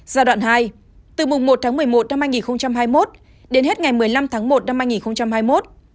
giai đoạn hai từ mùng một tháng một mươi một năm hai nghìn hai mươi một đến hết ngày một mươi năm tháng một năm hai nghìn hai mươi một